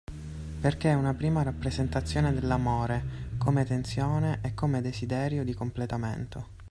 Perché è una prima rappresentazione dell’amore come tensione e come desiderio di completamento.